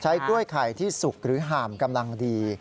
กล้วยไข่ที่สุกหรือห่ามกำลังดี